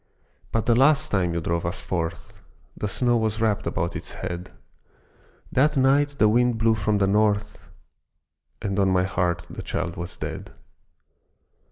But the last time you drove us forth, The snow was wrapped about its head, That night the wind blew from the North, And on my heart the child was dead.